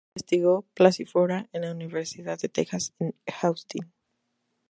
Investigó "Passiflora" en la Universidad de Texas en Austin.